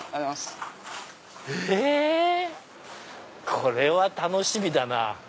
これは楽しみだな！